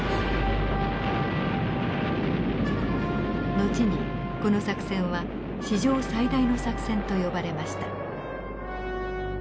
後にこの作戦は史上最大の作戦と呼ばれました。